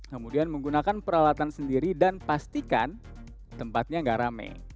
kemudian menggunakan peralatan sendiri dan pastikan tempatnya nggak rame